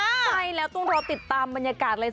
ใช่แล้วต้องรอติดตามบรรยากาศเลย